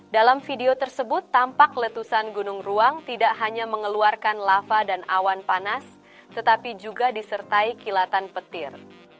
dalam video tersebut tampak letusan gunung ruang tidak hanya mengeluarkan lava dan awan panas tetapi juga disertai kilatan petir